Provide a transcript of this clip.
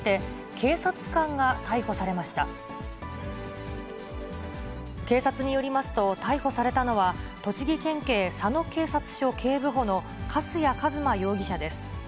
警察によりますと、逮捕されたのは、栃木県警佐野警察署警部補の粕谷一真容疑者です。